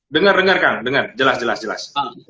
dengar dengar kang dengan jelas jelas